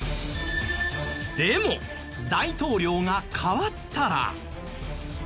でも大統領が代わったら。